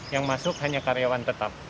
yang masuk hanya karyawan tetap